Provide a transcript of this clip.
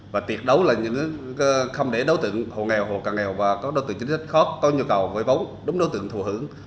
và tiệt đấu là những không để đối tượng hồ nghèo hồ càng nghèo và các đối tượng chính sách khó có nhu cầu vay vóng đúng đối tượng thù hưởng